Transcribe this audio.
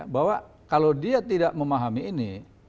bahwa kalau dia tidak memahami ini